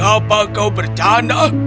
apa kau bercanda